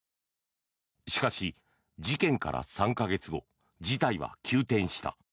しかし、事件から３か月後事態は急転した。